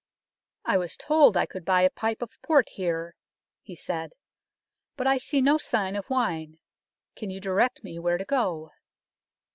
" I was told I could buy a pipe of port here," he said ;" but I see no sign of wine ; can you direct me where to go